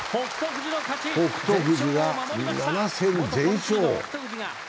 富士が７戦全勝。